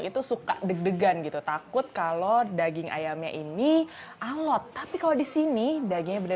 itu suka deg degan gitu takut kalau daging ayamnya ini alat tapi kalau disini dagingnya